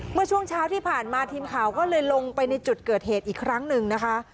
เมื่อช่วงเช้าที่ผ่านมาทีมข่าวก็เลยลงไปในจุดเกิดเหตุอีกครั้งหนึ่งนะคะ